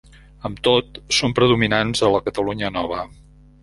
Amb tot, són predominants a la Catalunya Nova.